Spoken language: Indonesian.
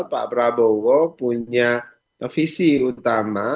pak prabowo punya visi utama